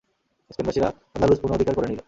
স্পেনবাসীরা Andalus পুনঃ অধিকার করে নিল।